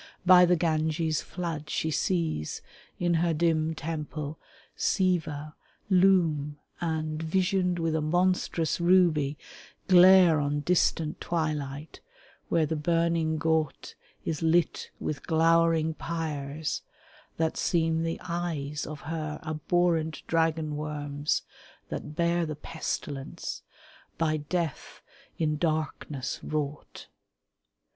By the Ganges' flood She sees, in her dim temple, Siva loom And, visioned with a monstrous ruby, glare On distant twilight where the burning ghaut Is lit with glowering pyres that seem the eyes Of her abhorrent dragon worms that bear The pestilence, by Death in darkness wrought.